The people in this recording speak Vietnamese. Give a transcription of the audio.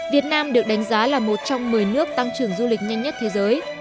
việt nam được đánh giá là một trong một mươi nước tăng trưởng du lịch nhanh nhất thế giới